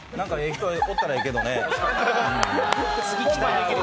人おったらええけどね。